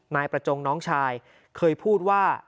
นายประจงน้องชายเคยพูดว่า